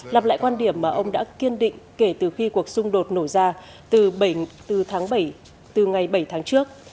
lặp lại quan điểm mà ông đã kiên định kể từ khi cuộc xung đột nổ ra từ ngày bảy tháng trước